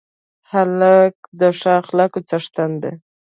هلک د ښه اخلاقو څښتن دی.